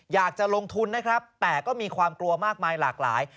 อยากจะลงทุนนะครับแต่ก็มีความกลัวมากมายหลากหลาย